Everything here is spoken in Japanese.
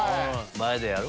前でやる？